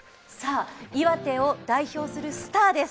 岩手を代表するスターです。